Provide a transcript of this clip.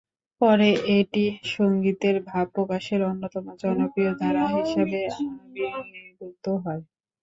পরে এটি সংগীতের ভাব প্রকাশের অন্যতম জনপ্রিয় ধারা হিসেবে আবির্ভূত হয়।